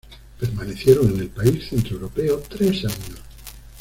Permanecieron en el país centroeuropeo tres años.